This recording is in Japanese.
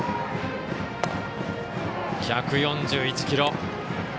１４８キロ